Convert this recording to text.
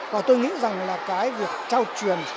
và tôi nghĩ rằng là cái việc trao truyền